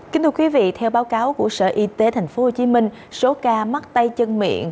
kính thưa quý vị theo báo cáo của sở y tế tp hcm số ca mắc tay chân miệng